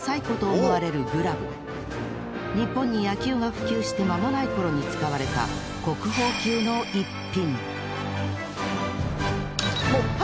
日本に野球が普及して間もないころに使われた国宝級の逸品。